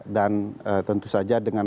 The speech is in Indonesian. dan tentu saja dengan